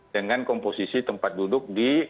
dengan komposisi tempat duduk di